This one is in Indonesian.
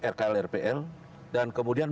rkl rpl dan kemudian